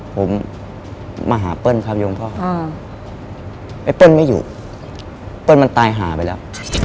ผมมาหาเปิ้ลครับยมพ่อไอ้เปิ้ลไม่อยู่เปิ้ลมันตายหาไปแล้ว